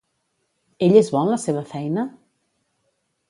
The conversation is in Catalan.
Ell és bo en la seva feina?